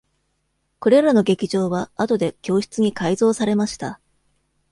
これらの劇場は、後で教室に改造されました。